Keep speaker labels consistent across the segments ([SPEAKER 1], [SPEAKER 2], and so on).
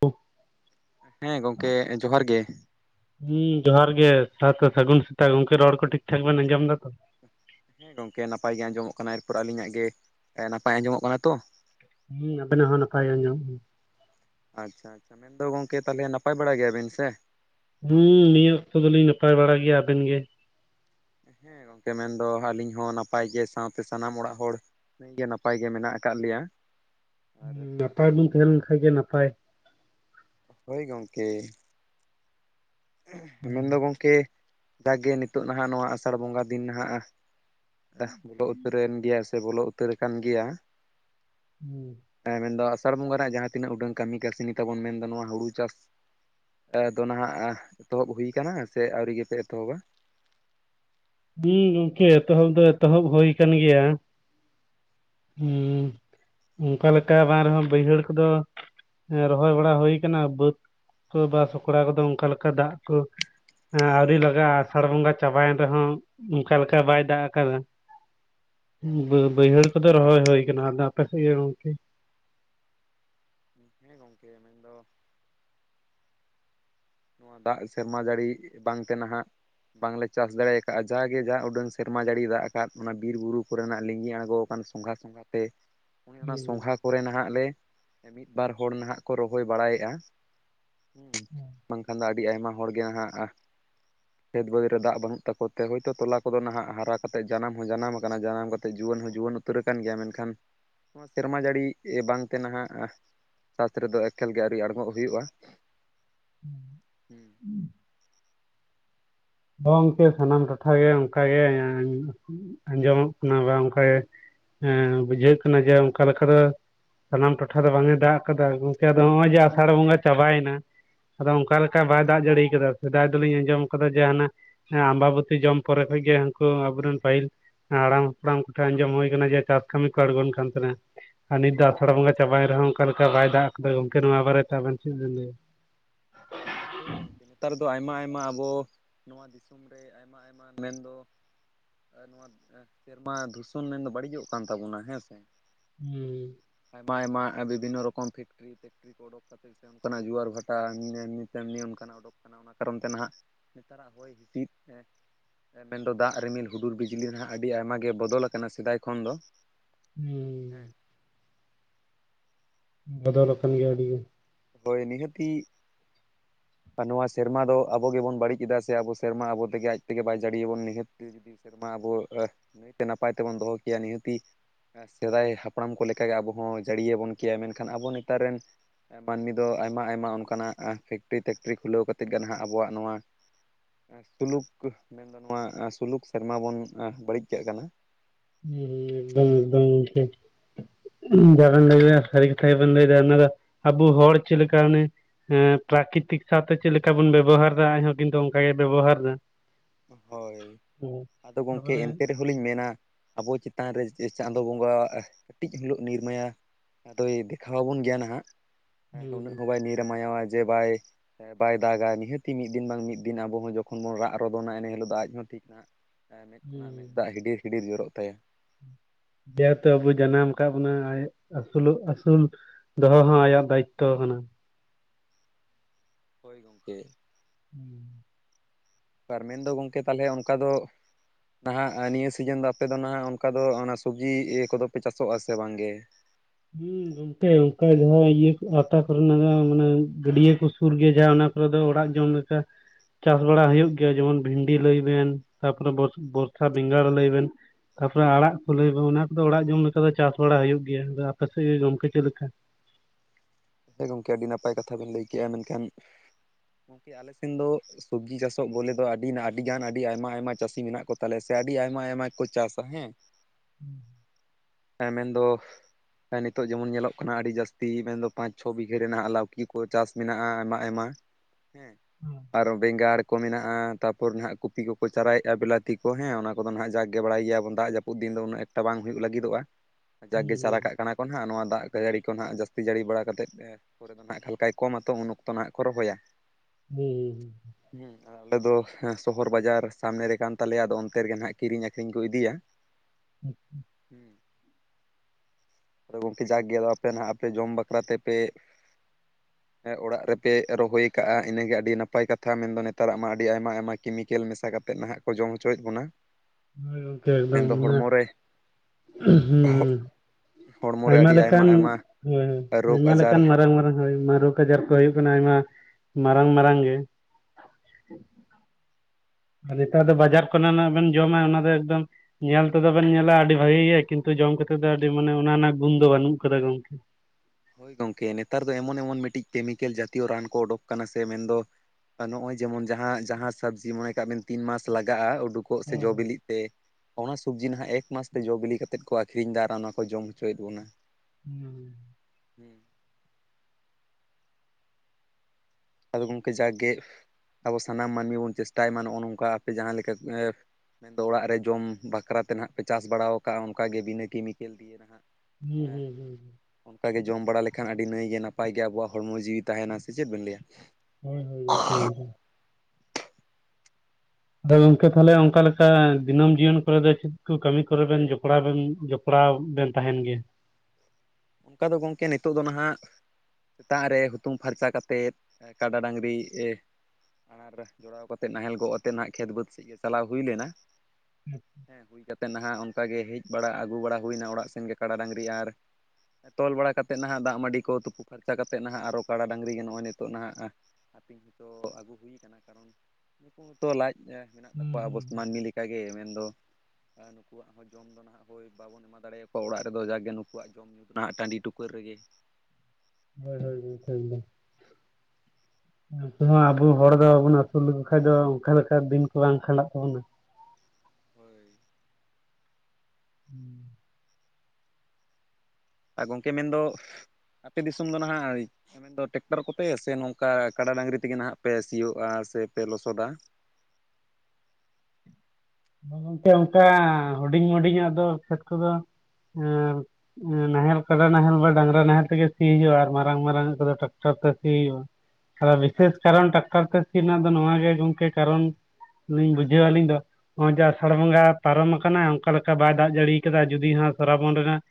[SPEAKER 1] ᱠᱚ [unintelligible]
[SPEAKER 2] ᱦᱮᱸ ᱜᱚᱢᱠᱮ ᱡᱚᱦᱟᱨ ᱜᱮ
[SPEAKER 1] ᱦᱩᱸ ᱡᱚᱦᱟᱨ ᱜᱮ ᱥᱟᱶᱛ ᱥᱟᱹᱜᱩᱱ ᱥᱮᱛᱟ ᱜᱚᱢᱠᱮ ᱨᱚᱲ ᱠᱚ ᱴᱷᱤᱠ ᱴᱷᱟᱠ ᱵᱮᱱ ᱟᱸᱡᱚᱢ ᱮᱫᱟᱛᱚ
[SPEAKER 2] ᱦᱮᱸ ᱜᱚᱝᱠᱮ ᱱᱟᱯᱟᱭ ᱜᱮ ᱟᱸᱡᱚᱢᱚᱜ ᱠᱟᱱᱟ ᱮᱨᱯᱚᱨ ᱟᱹᱞᱤᱧᱟᱜ ᱜᱮ ᱱᱟᱯᱟᱭ ᱟᱸᱡᱚᱢᱚᱜ ᱠᱟᱱᱟ ᱛᱚ
[SPEAKER 1] ᱦᱩᱸ ᱟᱵᱤᱱᱟᱜ ᱦᱚᱸ ᱱᱟᱯᱟᱭ ᱟᱸᱡᱚᱢᱚᱜ
[SPEAKER 2] ᱟᱪᱪᱷᱟ ᱟᱪᱪᱷᱟ ᱢᱮᱱᱫᱚ ᱜᱚᱝᱠᱮ ᱛᱟᱦᱚᱞᱮ ᱱᱟᱯᱟᱭ ᱵᱟᱲᱟᱭ ᱜᱮᱭᱟᱵᱤᱱ ᱥᱮ
[SPEAKER 1] ᱦᱩᱸ ᱱᱤᱭᱟᱹ ᱚᱠᱛᱚ ᱫᱚᱞᱤᱧ ᱱᱟᱯᱟᱭ ᱵᱟᱲᱟ ᱜᱮᱭᱟ ᱟᱵᱮᱱ ᱜᱮ
[SPEAKER 2] ᱦᱮᱸ ᱜᱚᱝᱠᱮ ᱢᱮᱱᱫᱚ ᱟᱹᱞᱤᱧ ᱦᱚᱸ ᱱᱟᱯᱟᱭ ᱜᱮ ᱥᱟᱶᱛᱮ ᱥᱟᱱᱟᱢ ᱚᱲᱟᱜ ᱦᱚᱲ ᱱᱟᱯᱟᱭ ᱜᱮ ᱢᱮᱱᱟᱜ ᱟᱠᱟᱫ ᱞᱮᱭᱟ ᱟᱨ
[SPEAKER 1] ᱱᱟᱯᱟᱭ ᱵᱚᱱ ᱛᱟᱦᱮᱸ ᱞᱮᱱ ᱠᱷᱟᱱ ᱜᱮ ᱱᱟᱯᱟᱭ
[SPEAKER 2] ᱦᱳᱭ ᱜᱚᱢᱠᱮ ᱢᱮᱱᱫᱚ
[SPEAKER 1] ᱦᱩᱸ
[SPEAKER 2] ᱜᱚᱢᱠᱮ ᱡᱟᱜᱮ ᱱᱤᱛᱚᱜ ᱱᱟᱦᱟᱜ ᱱᱚᱣᱟ ᱟᱥᱟᱲ ᱵᱚᱸᱜᱟ ᱫᱤᱱ ᱦᱟᱸᱜ ᱫᱟᱜ ᱠᱚ ᱯᱮᱨᱮᱱ [unintelligible] ᱜᱮᱭᱟ ᱥᱮ ᱵᱚᱞᱚ ᱩᱛᱟᱹᱨ ᱟᱠᱟᱱ ᱜᱮᱭᱟ
[SPEAKER 1] ᱦᱩᱸ [inaudible]
[SPEAKER 2] ᱢᱮᱱᱫᱚ ᱟᱥᱟᱲ ᱵᱚᱸᱜᱟ ᱨᱮᱭᱟᱜ ᱡᱟᱦᱟᱸ ᱛᱤᱱᱟᱹᱜ ᱩᱰᱟᱹᱝ ᱠᱟᱹᱢᱤ ᱠᱟᱹᱥᱱᱤ ᱛᱟᱵᱚᱱ ᱢᱮᱱᱫᱟ ᱱᱚᱣᱟ ᱦᱩᱲᱩ ᱪᱟᱥ ᱫᱚ ᱱᱟᱦᱟᱜ ᱮᱛᱚᱦᱚᱵ ᱦᱩᱭᱩ ᱠᱟᱱᱟ ᱥᱮ ᱟᱹᱣᱨᱤ ᱜᱮᱯᱮ ᱮᱛᱚᱦᱚᱵᱟ
[SPEAKER 1] ᱦᱩᱸ ᱜᱚᱝᱠᱮ ᱮᱛᱚᱦᱚᱵ ᱫᱚ ᱮᱛᱚᱦᱚᱵ ᱦᱩᱭ ᱟᱠᱟᱱ ᱜᱮᱭᱟ
[SPEAKER 2] ᱟᱪᱪᱷᱟ
[SPEAKER 1] ᱦᱮᱸ ᱚᱱᱠᱟ ᱞᱮᱠᱟ ᱵᱟᱝ ᱨᱮᱦᱚᱸ ᱵᱟᱹᱭᱦᱟᱹᱲ ᱠᱚᱫᱚ ᱨᱚᱦᱚᱭ ᱵᱟᱲᱟ ᱦᱩᱭ ᱟᱠᱟᱱᱟ ᱵᱟᱹᱫ ᱠᱚ ᱵᱟ ᱥᱠᱲᱟ ᱠᱚᱫᱚ ᱚᱱᱠᱟ ᱞᱮᱠᱟ ᱫᱟᱜ ᱠᱚ ᱟᱹᱣᱨᱤ ᱞᱟᱜᱟᱜᱼᱟ ᱟᱥᱟᱲ ᱵᱚᱸᱜᱟ ᱪᱟᱵᱟᱭᱮᱱ ᱨᱮᱦᱚᱸ ᱚᱱᱠᱟ ᱞᱮᱠᱟ ᱵᱟᱭ ᱫᱟᱜ ᱟᱠᱟᱫᱟ ᱵᱟᱹ
[SPEAKER 2] ᱦᱩᱸ
[SPEAKER 1] ᱵᱟᱹᱭᱦᱟᱹᱲ ᱠᱚᱫᱚ ᱨᱚᱦᱚᱭ ᱦᱩᱭ ᱟᱠᱟᱱᱟ ᱟᱫᱚ ᱟᱯᱮ ᱥᱮᱫ ᱜᱮ ᱜᱚᱝᱠᱮ
[SPEAKER 2] ᱦᱮᱸ ᱜᱚᱝᱠᱮ ᱢᱮᱱ ᱫᱚ ᱫᱟᱜ ᱥᱮᱨᱢᱟ ᱡᱟᱹᱲᱤ ᱵᱟᱝᱛᱮ ᱱᱟᱦᱟᱜ ᱵᱟᱝᱞᱮ ᱪᱟᱥ ᱫᱟᱲᱮ ᱟᱠᱟᱫᱼᱟ ᱡᱟᱜᱮ ᱡᱟᱦᱟᱸ ᱩᱰᱟᱹᱱ ᱥᱮᱨᱢᱟ ᱡᱟᱹᱲᱤ ᱫᱟᱜ ᱟᱠᱟᱫ ᱚᱱᱟ ᱵᱤᱨ ᱵᱩᱨᱩ ᱠᱚᱨᱮᱱᱟᱜ ᱞᱤᱸᱜᱤ ᱟᱬᱜᱚ ᱯᱟᱱ ᱥᱚᱸᱜᱷᱟ ᱥᱚᱸᱜᱷᱟᱛᱮ ᱩᱱᱤ ᱚᱱᱟ ᱥᱚᱸᱝᱜᱷᱟ ᱠᱚᱨᱮ ᱱᱟᱦᱟᱜ ᱞᱮ ᱢᱤᱫ ᱵᱟᱨ ᱦᱚᱲ ᱱᱟᱦᱟᱜ ᱠᱚ ᱨᱚᱦᱚᱭ ᱵᱟᱲᱟᱭᱮᱫᱼᱟ ᱦᱮ
[SPEAKER 1] ᱦᱮᱸ
[SPEAKER 2] ᱵᱟᱝᱠᱷᱟᱱ ᱫᱚ ᱟᱹᱰᱤ ᱟᱭᱢᱟ ᱦᱚᱲᱜᱮ ᱱᱟᱦᱟᱜ
[SPEAKER 1] [inaudible]
[SPEAKER 2] ᱠᱷᱮᱛ ᱵᱟᱹᱫᱽ ᱨᱮ ᱫᱟᱜ ᱵᱟᱹᱱᱩᱜ ᱛᱟᱠᱚᱛᱮ ᱦᱚᱭᱛᱳ ᱛᱚᱞᱟ ᱠᱚᱫᱚ ᱱᱟᱦᱟᱜ ᱦᱟᱨᱟ ᱠᱟᱛᱮᱫ ᱡᱟᱱᱟᱢ ᱦᱚᱸ ᱡᱟᱱᱟᱢ ᱟᱠᱟᱱᱟ ᱡᱟᱱᱟᱢ ᱠᱟᱛᱮ ᱡᱩᱣᱟᱹᱱ ᱦᱚᱸ ᱡᱩᱣᱟᱹᱱ ᱩᱛᱟᱹᱨ ᱟᱠᱟᱱ ᱜᱮᱭᱟ ᱢᱮᱱᱠᱷᱟᱱ ᱱᱚᱣᱟ ᱥᱮᱨᱢᱟ ᱡᱟᱹᱲᱤ ᱵᱟᱝᱛᱮ ᱱᱟᱦᱟᱜ ᱪᱟᱥ ᱨᱮᱫᱚ ᱮᱠᱮᱞ ᱜᱮ ᱟᱹᱣᱨᱤ ᱟᱬᱜᱚᱜ ᱦᱩᱭᱩᱜᱼᱟ
[SPEAKER 1] [inaudible]
[SPEAKER 2] [inaudible]
[SPEAKER 1] ᱜᱚᱝᱠᱮ ᱥᱟᱱᱟᱢ ᱴᱚᱴᱷᱟᱜᱮ ᱚᱱᱠᱟᱜᱮ ᱟᱸᱡᱚᱢᱚᱜ ᱠᱟᱱᱟ ᱵᱟ ᱚᱱᱠᱟᱜᱮ ᱦᱮᱸ ᱵᱩᱡᱷᱟᱹᱜ ᱠᱟᱱᱟ ᱡᱮ ᱚᱱᱠᱟ ᱞᱮᱠᱟ ᱫᱚ ᱥᱟᱱᱟᱢ ᱴᱚᱴᱷᱟ ᱫᱚ ᱵᱟᱝᱜᱼᱮ ᱫᱟᱜ ᱟᱠᱟᱫᱟ ᱜᱚᱢᱠᱮ ᱟᱫᱚ ᱱᱚᱜᱼᱚᱭ ᱡᱮ ᱟᱥᱟᱲ ᱵᱚᱸᱜᱟ ᱪᱟᱵᱟᱭᱮᱱᱟ ᱟᱫᱚ ᱚᱱᱠᱟ ᱞᱮᱠᱟ ᱵᱟᱭ ᱫᱟᱜ ᱡᱟᱹᱲᱤ ᱠᱟᱫᱟ ᱥᱮᱫᱟᱭ ᱫᱚᱞᱤᱧ ᱟᱸᱡᱚᱢ ᱠᱟᱫᱟ ᱡᱮ ᱦᱟᱱᱟᱜ ᱟᱢᱵᱟᱵᱛᱤ ᱡᱚᱢ ᱯᱚᱨᱮ ᱠᱷᱚᱡ ᱜᱮ ᱦᱟᱹᱱᱠᱩ ᱟᱵᱚᱨᱮᱱ ᱯᱟᱹᱦᱤᱞ ᱦᱟᱲᱟᱢ ᱦᱟᱯᱲᱟᱢ ᱠᱚᱴᱷᱮᱱ ᱟᱸᱡᱚᱢ ᱦᱩᱭ ᱟᱠᱟᱱᱟ ᱡᱮ ᱪᱟᱥ ᱠᱟᱹᱢᱤ ᱠᱚ ᱟᱲᱜᱚᱱ ᱠᱟᱱ ᱛᱟᱦᱮᱸᱱᱟ᱾ ᱟᱨ ᱱᱤᱛ ᱫᱚ ᱟᱥᱟᱲ ᱵᱚᱸᱜᱟ ᱪᱟᱵᱟᱭᱮᱱ ᱨᱮᱦᱚᱸ ᱚᱱᱠᱟ ᱞᱮᱠᱟ ᱵᱟᱭ ᱫᱟᱜ ᱟᱠᱟᱫᱟ ᱜᱚᱝᱠᱮ ᱱᱚᱣᱟ ᱵᱟᱨᱮᱛᱮ ᱟᱵᱮᱱ ᱪᱮᱫ ᱵᱮᱱ ᱞᱟᱹᱭᱟ?
[SPEAKER 2] ᱦᱚᱭ ᱜᱚᱝ ᱱᱮᱛᱟᱨ ᱫᱚ ᱟᱭᱢᱟ ᱟᱭᱢᱟ ᱟᱵᱚ ᱱᱚᱣᱟ ᱫᱤᱥᱚᱢ ᱨᱮ ᱟᱭᱢᱟ ᱟᱭᱢᱟ ᱢᱮᱱᱫᱚ ᱱᱚᱣᱟ ᱥᱮᱨᱢᱟ ᱫᱷᱩᱥᱚᱱ ᱢᱮᱱᱫᱚ ᱵᱟᱹᱲᱤᱡᱚᱜ ᱠᱟᱱ ᱛᱟᱵᱚᱱᱟ ᱦᱮᱸ ᱥᱮ᱾
[SPEAKER 1] ᱦᱩᱸ
[SPEAKER 2] ᱟᱭᱢᱟ ᱟᱭᱢᱟ ᱵᱤᱵᱷᱤᱱᱱᱚ ᱨᱚᱠᱚᱢ ᱯᱷᱮᱠᱴᱨᱤ ᱯᱷᱮᱠᱴᱨᱤ ᱠᱚ᱾ ᱚᱰᱳᱠ ᱠᱟᱛᱮᱫ ᱥᱮ ᱚᱱᱠᱟᱱᱟᱜ ᱡᱩᱣᱟᱨ ᱵᱷᱟᱴᱟ ᱮᱢᱱᱤ ᱛᱮᱢᱱᱤ ᱚᱱᱠᱟᱱᱟᱜ ᱚᱰᱳᱠ ᱠᱟᱱᱟ ᱚᱱᱟ ᱠᱟᱨᱚᱱ ᱛᱮ ᱱᱟᱦᱟᱜ᱾ ᱱᱮᱛᱟᱨᱟᱜ ᱦᱚᱭ ᱦᱤᱸᱥᱤᱫ ᱮ ᱢᱮᱱᱫᱚ ᱫᱟᱜ ᱨᱤᱢᱤᱞ ᱦᱩᱰᱩᱨ ᱵᱤᱡᱽᱞᱤ ᱨᱮᱦᱟᱜ ᱟᱹᱰᱤ ᱟᱭᱢᱟ ᱜᱮ ᱵᱚᱫᱚᱞ ᱟᱠᱟᱱᱟ ᱥᱮᱫᱟᱭ ᱠᱷᱚᱱ ᱫᱚ᱾
[SPEAKER 1] ᱦᱩᱸ
[SPEAKER 2] ᱦᱮᱸ
[SPEAKER 1] ᱵᱚᱫᱚᱞ ᱟᱠᱟᱱ ᱜᱮᱭᱟ ᱟᱹᱰᱤ ᱜᱮ᱾
[SPEAKER 2] ᱦᱳᱭ ᱱᱤᱦᱟᱹᱛᱤ
[SPEAKER 1] ᱦ
[SPEAKER 2] ᱟᱨ ᱱᱚᱣᱟ ᱥᱮᱨᱢᱟ ᱫᱚ ᱟᱵᱚ ᱜᱮᱵᱚᱱ ᱵᱟᱹᱲᱤᱡ ᱮᱫᱟ ᱥᱮ ᱟᱵᱚ ᱥᱮᱨᱢᱟ ᱟᱵᱚ ᱛᱮᱜᱮ ᱟᱡ ᱛᱮᱜᱮ ᱵᱟᱭ ᱡᱟᱹᱲᱤᱭᱟ ᱟᱵᱚᱱ ᱱᱤᱦᱟᱹᱛᱤ᱾ ᱥᱮᱨᱢᱟ ᱟᱵᱚ ᱱᱟᱭᱛᱮ ᱱᱟᱯᱟᱭ ᱛᱮᱵᱚᱱ ᱫᱚᱦᱚ ᱠᱮᱭᱟ ᱱᱤᱦᱟᱹᱛᱤ ᱥᱮᱫᱟᱭ ᱦᱟᱯᱲᱟᱢ ᱠᱚ ᱞᱮᱠᱟᱜᱮ ᱟᱵᱚ ᱦᱚᱸ ᱡᱟᱹᱲᱤᱭᱟᱵᱚᱱ ᱠᱮᱭᱟ ᱢᱮᱱᱠᱷᱟᱱ ᱟᱵᱚ ᱱᱮᱛᱟᱨ ᱨᱮᱱ ᱢᱟᱹᱱᱢᱤ ᱫᱚ ᱟᱭᱢᱟ ᱟᱭᱢᱟ ᱚᱱᱠᱟᱱᱟᱜ ᱯᱷᱮᱠᱴᱨᱤ ᱛᱮᱠᱴᱨᱤ ᱠᱷᱩᱞᱟᱹᱣ ᱠᱟᱛᱮᱫ ᱜᱮ ᱱᱟᱦᱟᱜ ᱟᱵᱚᱣᱟᱜ ᱱᱚᱣᱟ ᱥᱩᱞᱩᱠ ᱢᱮᱱᱫᱚ ᱱᱚᱣᱟ ᱥᱩᱞᱩᱠ ᱥᱮᱨᱢᱟ ᱵᱚᱱ ᱵᱟᱹᱲᱤᱡ ᱠᱟᱜ ᱠᱟᱱᱟ᱾
[SPEAKER 1] ᱦᱮᱸ ᱦᱩᱸ ᱮᱠᱫᱚᱢ ᱮᱠᱫᱚᱢ ᱴᱷᱤᱠ᱾ ᱡᱟ ᱵᱮᱱ ᱞᱟᱹᱭᱫᱟ ᱥᱟᱹᱨᱤ ᱠᱟᱛᱷᱟ ᱜᱮᱵᱮᱱ ᱞᱟᱹᱭᱫᱟ ᱚᱱᱟ ᱫᱚ ᱟᱵᱚ ᱦᱚᱲ ᱪᱮᱫ ᱞᱮᱠᱟ ᱚᱱᱮ ᱦᱮᱸ ᱯᱨᱟᱠᱨᱤᱛᱤᱠ ᱥᱟᱶᱛᱮ ᱪᱮᱫ ᱞᱮᱠᱟ ᱵᱚᱱ ᱵᱮᱵᱚᱦᱟᱨ ᱫᱟ ᱟᱡᱦᱚᱸ ᱠᱤᱱᱛᱩ ᱚᱱᱠᱟᱜᱮ ᱵᱮᱵᱚᱦᱟᱨ ᱫᱟ᱾
[SPEAKER 2] ᱦᱳᱭ ᱟᱫᱚ ᱜᱚᱝᱠᱮ
[SPEAKER 1] ᱛᱟᱯᱚᱨᱮ
[SPEAKER 2] ᱮᱱᱛᱮ ᱨᱮᱦᱚᱸ ᱦᱚᱞᱤᱧ ᱢᱮᱱᱟ ᱟᱵᱚ ᱪᱮᱛᱟᱱ ᱨᱮ ᱪᱟᱸᱫᱚ ᱵᱚᱸᱜᱟ ᱠᱟᱹᱴᱤᱡ ᱦᱤᱞᱳᱜ ᱱᱤᱨᱢᱟᱹᱭᱟ ᱟᱫᱚᱭ ᱫᱮᱠᱷᱟᱣ ᱟᱵᱚᱱ ᱜᱮᱭᱟ ᱱᱟᱦᱟᱸᱜ ᱩᱱᱟᱹᱜ
[SPEAKER 1] ᱦᱩᱸ
[SPEAKER 2] ᱦᱚᱸ ᱵᱟᱭ ᱱᱤᱨᱢᱟᱭᱟᱣᱟ ᱡᱮ ᱵᱟᱭᱼᱼ ᱵᱟᱭ ᱫᱟᱜᱟ ᱱᱤᱦᱟᱹᱛᱤ ᱢᱤᱫ ᱫᱤᱱ ᱵᱟᱝ ᱢᱤᱫ ᱫᱤᱱ ᱟᱵᱚ ᱦᱚᱸ ᱡᱚᱠᱷᱚᱱ ᱵᱚᱱ ᱨᱟᱜ ᱨᱚᱫᱚᱱᱟ ᱮᱱᱹ ᱦᱤᱞᱳᱜ ᱫᱚ ᱟᱡ ᱦᱚᱸ ᱴᱷᱤᱠ ᱢᱮᱫ
[SPEAKER 1] ᱦᱩᱸ
[SPEAKER 2] ᱠᱷᱚᱱᱟᱜ ᱢᱮᱫ ᱫᱟᱜ ᱦᱤᱰᱤᱨ ᱦᱤᱰᱤᱨ ᱡᱚᱨᱚᱜ ᱛᱟᱭᱟ᱾
[SPEAKER 1] ᱡᱮᱦᱮᱛᱩ ᱟᱵᱩᱭ ᱡᱟᱱᱟᱢ ᱟᱠᱟᱫ ᱵᱚᱱᱟ ᱟᱡᱼᱮ ᱟᱥᱩᱞᱚᱜ ᱟᱹᱥᱩᱞ ᱫᱚᱦᱚ ᱦᱚᱸ ᱟᱭᱟᱜ ᱫᱟᱭᱤᱛᱛᱚ ᱠᱟᱱᱟ᱾
[SPEAKER 2] ᱦᱳᱭ ᱜᱚᱢᱠᱮ᱾
[SPEAKER 1] ᱦᱮᱸᱻ
[SPEAKER 2] ᱟᱨ ᱢᱮᱱᱫᱚ ᱜᱚᱝᱠᱮ ᱛᱟᱦᱚᱞᱮ ᱚᱱᱠᱟ ᱫᱚ ᱱᱟᱦᱟᱜ ᱱᱤᱭᱟᱹ ᱥᱤᱡᱤᱱ ᱫᱚ ᱟᱯᱮ ᱫᱚ ᱱᱟᱦᱟᱜ ᱚᱱᱠᱟ ᱫᱚ ᱚᱱᱟ ᱥᱚᱵᱡᱤᱤᱭᱟᱹ ᱠᱚᱫᱚᱯᱮ ᱪᱟᱥᱚᱜᱼᱟ ᱥᱮ ᱵᱟᱝᱜᱮ
[SPEAKER 1] ᱦᱩ ᱦᱩ ᱚᱱᱛᱮ ᱚᱝᱠᱟ ᱫᱚᱭ ᱤᱭᱟᱹ ᱠᱚ ᱟᱛᱟ ᱠᱚᱨᱮᱱᱟᱜ ᱡᱟᱦᱟ ᱢᱟᱱᱮ ᱜᱟᱹᱰᱭᱟᱹ ᱠᱚ ᱥᱩᱨ ᱜᱮ ᱡᱟᱦᱟᱸ ᱚᱱᱟ ᱨᱮᱫᱚ ᱚᱲᱟᱜ ᱡᱚᱢ ᱞᱮᱠᱟ ᱪᱟᱥ ᱵᱟᱲᱟ ᱦᱩᱭᱩᱜ ᱜᱮᱭᱟ ᱡᱮᱢᱚᱱ ᱵᱷᱤᱱᱰᱤ ᱞᱟᱹᱭ ᱵᱮᱱ ᱛᱟᱯᱚᱨᱮ ᱵᱚᱥ ᱵᱚᱨᱥᱟ ᱵᱮᱸᱜᱟᱲ ᱞᱟᱹᱭ ᱵᱮᱱ ᱛᱟᱯᱚᱨᱮ ᱟᱲᱟᱜ ᱠᱚ ᱞᱟᱹᱭ ᱚᱱᱟ ᱠᱚᱫᱚ ᱟᱲᱟᱜ ᱡᱚᱢ ᱞᱮᱠᱟ ᱫᱚ ᱪᱟᱥ ᱵᱟᱲᱟ ᱦᱩᱭᱩᱜ ᱜᱮᱭᱟ ᱟᱫᱚ ᱟᱯᱮ [inaudible] ᱜᱚᱢᱠᱮ ᱪᱮᱫ ᱞᱮᱠᱟ
[SPEAKER 2] ᱦᱮ ᱜᱚᱢᱠᱮ ᱟᱹᱰᱤ ᱱᱟᱯᱟᱭ ᱠᱟᱛᱷᱟ ᱵᱤᱱ ᱞᱟᱹᱭ ᱠᱮᱜᱼᱟ ᱢᱮᱱᱠᱷᱟᱱ ᱜᱚᱢᱠᱮ ᱟᱞᱮ ᱥᱮᱱ ᱫᱚ ᱥᱚᱵᱡᱤ ᱪᱟᱥᱚᱜ ᱵᱚᱞᱮ ᱫᱚ ᱟᱹᱰᱤ ᱟᱹᱰᱤ ᱥᱚᱵᱡᱤ ᱪᱟᱥᱚᱜ ᱵᱚᱞᱮ ᱫᱚ ᱟᱹᱰᱤ ᱱᱟ ᱟ. ᱰᱤ ᱜᱟᱱ ᱟ. ᱰᱤ ᱟᱭᱢᱟ ᱟᱭᱢᱟ ᱪᱟᱹᱥᱤ ᱢᱮᱱᱟᱜ ᱠᱚ ᱛᱟᱞᱮᱭᱟ ᱥᱮ ᱟᱹᱰᱤ ᱟᱭᱢᱟ ᱟᱭᱢᱟ ᱜᱮ [inaudible] ᱠᱚ ᱪᱟᱥᱟ ᱦᱮᱸ
[SPEAKER 1] ᱦᱮᱸ [inaudible]
[SPEAKER 2] ᱦᱮᱸ ᱢᱮᱱᱫᱚ ᱦᱮ ᱱᱤᱛᱚᱜ ᱡᱮᱢᱚᱱ ᱧᱮᱞᱚᱜ ᱠᱟᱱᱟ ᱟᱹᱰᱤ ᱡᱟᱹᱥᱛᱤ ᱢᱮᱱᱫᱚ ᱯᱟᱸᱪ ᱪᱷᱚ ᱵᱤᱜᱷᱟᱹ ᱨᱮᱱᱟᱜ ᱞᱟᱹᱣᱠᱤ ᱠᱚ ᱪᱟᱥ ᱢᱮᱱᱟᱜᱼᱟ ᱟᱭᱢᱟ ᱟᱭᱢᱟ ᱦᱮᱸ
[SPEAKER 1] [inaudible]
[SPEAKER 2] ᱟᱨᱚ ᱵᱮᱸᱜᱟᱲ ᱠᱚ ᱢᱮᱱᱟᱜᱼᱟ ᱛᱟᱯᱚᱨ ᱱᱟᱦᱟᱜ ᱠᱩᱯᱤ ᱠᱚᱠᱚ ᱪᱟᱨᱟᱭᱮᱜᱼᱟ ᱵᱞᱟᱹᱛᱤ ᱠᱚ ᱦᱮᱸ ᱚᱱᱟ ᱠᱚᱫᱚ ᱱᱟᱦᱟᱜ ᱡᱟᱜ ᱜᱮ ᱵᱟᱲᱟᱭ ᱜᱮᱭᱟᱵᱚᱱ ᱫᱟᱜ ᱡᱟᱯᱩᱫ ᱩᱫᱤᱱ ᱫᱚ ᱩᱱᱟᱹᱜ ᱮᱠᱴᱟ ᱵᱟᱝ ᱦᱩᱭᱩᱜ ᱞᱟᱹᱜᱤᱫᱚᱜᱼᱟ ᱡᱟᱜ ᱜᱮ ᱥᱟᱨᱟ
[SPEAKER 1] ᱦᱩᱸ
[SPEAKER 2] ᱠᱟᱜ ᱠᱟᱱᱟ ᱠᱚᱱ ᱦᱟ ᱱᱚᱣᱟ ᱫᱟᱜ ᱡᱟᱹᱲᱤ [inaudible] ᱠᱚ ᱱᱟᱦᱜ ᱡᱟᱹᱥᱛᱤ ᱡᱟᱹᱲᱤ ᱵᱟᱲᱟ ᱠᱟ ᱛᱮᱫ ᱮᱦ ᱯᱚᱨᱮᱫᱚ ᱱᱟᱦᱟᱜ ᱟᱠᱟᱞᱮᱠᱟᱭ ᱠᱚᱢᱟ ᱛᱚ ᱩᱱ ᱚᱠᱛᱚ ᱱᱟᱦᱟᱜ ᱠᱚ ᱨᱚᱦᱚᱭᱟ
[SPEAKER 1] ᱦᱩᱸ ᱦᱩᱸ
[SPEAKER 2] ᱦᱮᱸ ᱟᱨ ᱟᱞᱮ ᱫᱚ ᱦᱟᱸᱜ ᱥᱚᱦᱚᱨ ᱵᱟᱡᱟᱨ ᱥᱟᱢᱱᱮ ᱨᱮ ᱠᱟᱱ ᱛᱟᱞᱮᱭᱟ ᱟᱫᱚ ᱚᱱᱛᱮ ᱨᱮᱜᱮ ᱱᱟᱦᱟᱜ ᱠᱤᱨᱤᱧ ᱟᱹᱠᱷᱨᱤᱧ ᱠᱚ ᱤᱫᱤᱭᱟ
[SPEAKER 1] [unintelligible]
[SPEAKER 2] ᱟᱫᱚ ᱜᱚᱝᱠᱮ ᱡᱟᱠ ᱜᱮ ᱟᱫᱚ ᱟᱯᱮ ᱱᱟᱦᱟᱜ ᱟᱯᱮ ᱡᱚᱢ ᱵᱟᱠᱷᱨᱟ ᱛᱮᱯᱮ ᱦᱮ ᱚᱲᱟᱜ ᱨᱮᱯᱮ ᱨᱚᱦᱚᱭ ᱠᱟᱜᱼᱟ ᱤᱱᱟᱹᱜᱮ ᱟᱹᱰᱤ ᱱᱟᱯᱟᱭ ᱠᱟᱛᱷᱟ ᱢᱮᱱᱫᱚ ᱱᱮᱛᱟᱨᱟᱜ ᱢᱟ ᱟᱹᱰᱤ ᱟᱭᱢᱟ ᱟᱭᱢᱟ ᱠᱮᱢᱤᱠᱮᱞ ᱢᱮᱥᱟ ᱠᱟᱛᱮᱫ ᱱᱟᱦᱟᱜ ᱠᱚ ᱡᱚᱢ ᱦᱚᱪᱚᱭᱮᱫ ᱵᱚᱱᱟ
[SPEAKER 1] [unintelligible] ᱮᱠᱫᱚᱢ
[SPEAKER 2] ᱢᱮᱱᱫᱚ
[SPEAKER 1] ᱚᱱᱟ
[SPEAKER 2] ᱦᱚᱲᱢᱚ ᱨᱮ
[SPEAKER 1] ᱦᱩᱸ
[SPEAKER 2] [unintelligible] ᱨᱮ
[SPEAKER 1] ᱟᱭᱢᱟ
[SPEAKER 2] ᱟᱹᱰᱤ
[SPEAKER 1] ᱞᱮᱠᱟᱱ
[SPEAKER 2] ᱟᱭᱢᱟ
[SPEAKER 1] ᱦᱳᱭ ᱦᱳᱭ
[SPEAKER 2] ᱨᱳᱜᱽ
[SPEAKER 1] ᱟᱭᱢᱟ
[SPEAKER 2] ᱟᱡᱟᱨ
[SPEAKER 1] ᱞᱮᱠᱟᱱ ᱢᱟᱨᱟᱝ ᱢᱟᱨᱟᱝ ᱦᱳᱭ ᱢᱟ ᱨᱳᱜᱽ ᱟᱡᱟᱨ ᱠᱚ ᱦᱩᱭᱩᱜ ᱠᱟᱱᱟ ᱟᱭᱢᱟ ᱢᱟᱨᱟᱝ ᱢᱟᱨᱟᱝ ᱜᱮ ᱟᱨ ᱱᱮᱛᱟᱨ ᱫᱚ ᱵᱟᱡᱟᱨ ᱠᱚ ᱨᱮᱱᱟᱜ ᱵᱮᱱ ᱡᱚᱢᱟ ᱚᱱᱟ ᱫᱚ ᱮᱠᱫᱚᱢ ᱧᱮᱞ ᱛᱮᱫᱚ ᱵᱮᱱ ᱧᱮᱞᱟ ᱟᱹᱰᱤ ᱵᱷᱟᱜᱮ ᱜᱮᱭᱟ, ᱠᱤᱱᱛᱩ ᱡᱚᱢ ᱠᱟᱛᱮᱫ ᱫᱚ ᱟᱹᱰᱤ ᱢᱟᱱᱮ ᱚᱱᱟ ᱨᱮᱱᱟᱜ ᱜᱩᱱ ᱫᱚ ᱵᱟᱹᱱᱩᱜ ᱟᱠᱟᱫᱟ ᱜᱚᱝᱠᱮ
[SPEAKER 2] ᱦᱳᱭ ᱜᱚᱢᱠᱮ ᱱᱮᱛᱟᱨ ᱫᱚ ᱮᱢᱚᱱ ᱮᱢᱚᱱ ᱢᱤᱫᱴᱤᱡ ᱠᱮᱢᱤᱠᱮᱞ ᱡᱟᱹᱛᱤᱭᱚ ᱨᱟᱱ ᱠᱚ ᱳᱰᱳᱠ ᱠᱟᱱᱟ ᱥᱮ ᱢᱮᱱᱫᱚ ᱟ ᱱᱚᱜᱼᱚᱭ ᱡᱮᱢᱚᱱ ᱡᱟᱦᱟᱸ ᱡᱟᱦᱟᱸ ᱥᱟᱵᱽᱡᱤ ᱢᱚᱱᱮ ᱠᱟᱜ ᱵᱮᱱ ᱛᱤᱱ ᱢᱟᱥ ᱞᱟᱜᱟᱜᱼᱟ ᱩᱰᱩᱠᱚᱜ ᱥᱮ ᱡᱚ
[SPEAKER 1] ᱦᱩᱸ
[SPEAKER 2] ᱵᱤᱞᱤᱜ ᱛᱮ ᱚᱱᱟ ᱥᱚᱵᱡᱤ ᱱᱟᱦᱟᱜ ᱮᱠᱢᱟᱥ ᱛᱮ ᱡᱚ ᱵᱤᱞᱤ ᱠᱟᱛᱮᱫ ᱠᱚ ᱟᱠᱷᱨᱤᱧ ᱮᱫᱟ ᱟᱨ ᱚᱱᱟ ᱠᱚ ᱡᱚᱢ ᱦᱚᱪᱚᱭᱮᱫ ᱵᱚᱱᱟ
[SPEAKER 1] ᱦᱮᱸ
[SPEAKER 2] ᱦᱩᱸ ᱟᱫᱚ ᱜᱚᱢᱠᱮ ᱡᱟᱜᱮ ᱟᱵᱚ ᱥᱟᱱᱟᱢ ᱢᱟᱹᱱᱢᱤ ᱵᱚᱱ ᱪᱮᱥᱴᱟᱭ ᱢᱟ ᱱᱚᱜᱚ ᱱᱚᱝᱠᱟ ᱟᱯᱮ ᱡᱟᱦᱟᱸ ᱞᱮᱠᱟ [unintelligible] ᱢᱮᱱᱫᱚ ᱚᱲᱟᱜ ᱨᱮ ᱡᱚᱢ ᱵᱟᱠᱷᱨᱟᱛᱮ ᱱᱟᱦᱟᱜ ᱯᱮ ᱪᱟᱥ ᱵᱟᱲᱟᱣᱟ ᱟᱠᱟᱜ ᱚᱱᱠᱟ ᱜᱮ ᱵᱤᱱᱟᱹ ᱠᱮᱢᱤᱠᱮᱞ ᱫᱤᱭᱮ ᱱᱟᱦᱟᱜ
[SPEAKER 1] ᱦᱩᱸ
[SPEAKER 2] ᱦᱮᱸ
[SPEAKER 1] ᱦᱩᱸ ᱦᱩᱸ ᱦᱩᱸ
[SPEAKER 2] ᱚᱱᱠᱟᱜᱮ ᱡᱚᱢ ᱵᱟᱲᱟ ᱞᱮᱠᱷᱟᱱ ᱟᱹᱰᱤ ᱱᱟᱹᱭᱜᱮ ᱱᱟᱯᱟᱭ ᱜᱮ ᱟᱵᱚᱣᱟᱜ ᱦᱚᱲᱢᱚ ᱡᱤᱣᱤ ᱛᱟᱦᱮᱱᱟ ᱥᱮ ᱪᱮᱫ ᱵᱮᱱ ᱞᱟᱹᱭᱟ
[SPEAKER 1] ᱦᱳᱭ ᱦᱳᱭ ᱦᱳᱭ [unintelligible] ᱟᱫᱚ ᱜᱚᱝᱠᱮ ᱛᱟᱦᱚᱞᱮ ᱚᱱᱠᱟ ᱞᱮᱠᱟ ᱫᱤᱱᱟᱹᱢ ᱡᱤᱭᱚᱱ ᱠᱚᱨᱮ ᱫᱚ ᱪᱮᱫ ᱠᱚ ᱠᱟᱹᱢᱤ ᱠᱚᱨᱮ ᱵᱮᱱ ᱡᱚᱯᱲᱟᱣ ᱵᱮᱱ ᱡᱚᱯᱲᱟᱣ ᱯᱚᱲᱟᱣ ᱵᱮᱱ ᱛᱟᱦᱮᱱ ᱜᱮ
[SPEAKER 2] ᱚᱱᱠᱟ ᱫᱚ ᱜᱚᱢᱠᱮ ᱱᱤᱛᱚᱜ ᱫᱚ ᱱᱟᱦᱟᱜ ᱥᱮᱛᱟᱜ ᱨᱮ ᱦᱩᱛᱩᱢ ᱯᱷᱟᱨᱪᱟ ᱠᱟᱛᱮᱫ ᱠᱟᱰᱟ ᱰᱟᱹᱝᱨᱤ ᱮᱦ ᱟᱨ ᱡᱚᱲᱟᱣ ᱠᱟᱛᱮᱫ ᱱᱟᱦᱮᱞ ᱜᱚᱜ ᱟᱛᱮᱫ ᱱᱟᱜ ᱠᱷᱮᱛ ᱵᱟᱹᱫᱽ ᱥᱮᱫ ᱜᱮ ᱪᱟᱞᱟᱣ ᱦᱩᱭ ᱞᱮᱱᱟ
[SPEAKER 1] ᱟᱪᱪᱷᱟ [unintelligible]
[SPEAKER 2] ᱦᱮ ᱦᱩᱭ ᱠᱟᱛᱮᱫ ᱱᱟᱦᱟᱜ ᱚᱱᱠᱟ ᱜᱮ ᱦᱮᱡ ᱵᱟᱲᱟ ᱟᱹᱜᱩ ᱵᱟᱲᱟ ᱦᱩᱭᱱᱟ ᱚᱲᱟᱜ ᱥᱮᱱ ᱜᱮ ᱠᱟᱰᱟ ᱰᱟᱹᱝᱨᱤ ᱟᱨ ᱛᱚᱞ ᱵᱟᱲᱟ ᱠᱟᱛᱮᱜ ᱱᱟᱦᱟᱜ ᱫᱟᱜ ᱢᱟᱹᱰᱤ ᱠᱚ ᱛᱩᱯᱩ ᱯᱷᱟᱨᱪᱟ ᱠᱟᱛᱮᱫ ᱱᱟᱦᱟᱜ ᱟᱨᱚ ᱠᱟᱰᱟ ᱰᱟᱹᱝᱨᱤ ᱜᱮ ᱱᱚᱜᱼᱚᱭ ᱱᱤᱛᱚᱜ ᱱᱟᱦᱟᱜ- ᱦᱚ ᱛᱚ ᱟᱹᱜᱩ ᱦᱩᱭ ᱠᱟᱱᱟ ᱠᱟᱨᱚᱱ- ᱩᱱᱠᱩ ᱛᱚ ᱞᱟᱡ ᱢᱮᱱᱟᱜ
[SPEAKER 1] ᱦᱩᱸ
[SPEAKER 2] ᱛᱟᱠᱚᱣᱟ ᱟᱵᱚ
[SPEAKER 1] ᱦᱩᱸ
[SPEAKER 2] ᱢᱟᱹᱱᱢᱤ ᱞᱮᱠᱟᱜᱮ ᱢᱮᱱᱫᱚ- ᱟᱨ ᱱᱩᱠᱩᱣᱟᱜ ᱦᱚᱸ ᱡᱚᱢ ᱫᱚ ᱱᱟᱦᱟᱜ ᱦᱳᱭ ᱵᱟᱵᱚᱱ ᱮᱢᱟ ᱫᱟᱲᱮᱭᱟᱠᱚᱣᱟ ᱚᱲᱟᱜ ᱨᱮᱫᱚ ᱡᱟᱜᱮ ᱱᱩᱠᱩᱣᱟᱜ ᱡᱚᱢ ᱧᱩ- ᱱᱟᱦᱟᱜ ᱴᱟᱺᱰᱤ ᱴᱩᱠᱟᱹ ᱨᱮᱜᱮ᱾
[SPEAKER 1] [unintelligible] ᱟᱵᱚ ᱦᱚᱲ ᱫᱚ ᱵᱟᱵᱚᱱ ᱟᱹᱥᱩᱞ ᱞᱮᱠᱚ ᱠᱷᱟᱡ ᱫᱚ ᱚᱝᱠᱟ ᱞᱮᱠᱟ ᱫᱤᱱ ᱠᱚ ᱵᱟᱝ ᱠᱷᱟᱸᱰᱟᱜ ᱛᱟᱵᱚᱱᱟ᱾
[SPEAKER 2] ᱦᱳᱭ
[SPEAKER 1] [unintelligible]
[SPEAKER 2] ᱜᱚᱝᱠᱮ ᱢᱮᱱ ᱫᱚ ᱟᱯᱮ ᱫᱤᱥᱚᱢ ᱫᱚ ᱱᱟᱦᱟᱜ- ᱢᱮᱱᱫᱚ ᱴᱮᱠᱴᱟᱨ ᱠᱚᱛᱮ ᱥᱮ ᱱᱚᱝᱠᱟ ᱠᱟᱰᱟ ᱰᱟᱝᱨᱤ ᱛᱮᱜᱮ ᱱᱟᱦᱟᱜ ᱯᱮ ᱥᱤᱭᱳᱜᱼᱟ ᱥᱮ ᱯᱮ ᱞᱚᱥᱚᱫᱟ
[SPEAKER 1] ᱜᱚᱝᱠᱮ ᱚᱱᱠᱟ ᱦᱩᱰᱤᱧ ᱦᱩᱰᱤᱧᱟᱜ ᱫᱚ ᱠᱷᱮᱛ ᱠᱚᱫᱚ ᱱᱟᱦᱮᱞ ᱠᱟᱰᱟ ᱱᱟᱦᱮᱞ ᱵᱟ ᱰᱟᱝᱨᱟ ᱱᱟᱦᱮᱞ ᱛᱮᱜᱮ ᱥᱤ ᱦᱩᱭᱳᱜ ᱟᱨ ᱢᱟᱨᱟᱝ ᱢᱟᱨᱟᱝ ᱠᱩᱫᱚ ᱴᱟᱠᱴᱟᱨ ᱛᱮ ᱥᱤ ᱦᱩᱭᱩᱜᱼᱟ᱾ [inaudible] ᱛᱟᱦᱞᱮ ᱵᱤᱥᱮᱥ ᱠᱟᱨᱚᱱ ᱴᱟᱠᱴᱟᱨ ᱛᱮ ᱥᱤ ᱨᱮᱱᱟᱜ ᱫᱚ ᱱᱚᱣᱟ ᱜᱮ ᱜᱚᱝᱠᱮ ᱠᱟᱨᱚᱱ ᱞᱤᱧ ᱵᱩᱡᱷᱟᱹᱣᱟ ᱟᱹᱞᱤᱧ ᱫᱚ- ᱱᱚᱜᱼᱚᱭ ᱡᱮ ᱟᱥᱟᱲ ᱵᱚᱸᱜᱟ ᱯᱟᱨᱚᱢ ᱟᱠᱟᱱᱟ ᱚᱝᱠᱟ ᱞᱮᱠᱟ ᱵᱟᱭ ᱫᱟᱜ ᱡᱟᱹᱲᱤᱭ ᱠᱟᱫᱟ ᱡᱩᱫᱤ ᱦᱟᱜ ᱥᱨᱟᱵᱚᱱ ᱨᱮᱱᱟᱜ-